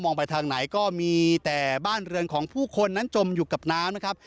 ไปทางไหนก็มีแต่บ้านเรือนของผู้คนนั้นจมอยู่กับน้ำนะครับ